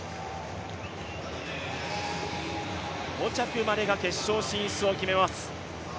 ５着までが決勝進出を決めます。